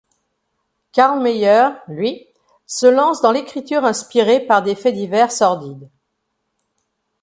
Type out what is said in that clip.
Carl Mayer, lui, se lance dans l’écriture inspiré par des faits divers sordides.